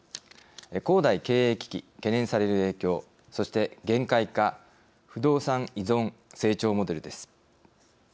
恒大経営危機、懸念される影響そして限界か不動産依存成長モデルです。